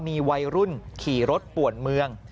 มีวัยรุ่นขี่รถป่วนเมือง